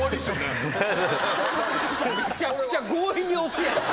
むちゃくちゃ強引に押すやん。